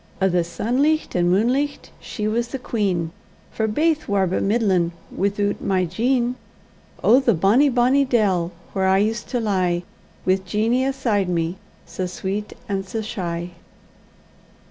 O' the sunlicht and munelicht she was the queen, For baith war but middlin' withoot my Jean. Oh! the bonny, bonny dell, whaur I used to lie Wi' Jeanie aside me, sae sweet and sae shy!